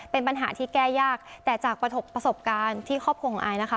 เป็นปัญหาที่แก้ยากแต่จากประสบการณ์ที่ครอบครัวของอายนะคะ